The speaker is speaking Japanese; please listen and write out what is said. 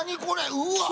うわっ！